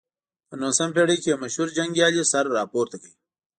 په نولسمه پېړۍ کې یو مشهور جنګیالي سر راپورته کړ.